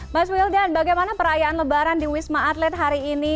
mas wildan bagaimana perayaan lebaran di wisma atlet hari ini